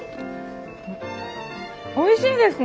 おいしいですね！